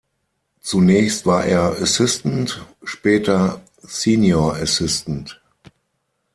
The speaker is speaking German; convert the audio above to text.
Zunächst war er "Assistant", später "Senior Assistant".